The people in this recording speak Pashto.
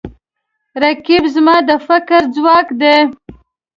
رقیب زما د فکر ځواک دی